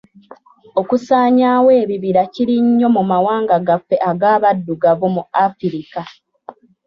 Okusaanyawo ebibira kiri nnyo mu mawanga gaffe ag'abaddugavu mu Afirika